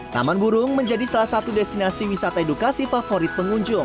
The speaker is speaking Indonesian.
taman burung menjadi salah satu destinasi wisata edukasi favorit pengunjung